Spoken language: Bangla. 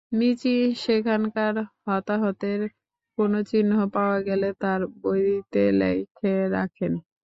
মিচি সেখানকার হতাহতের কোন চিহ্ন পাওয়া গেলে তার বইতে লিখে রাখেন।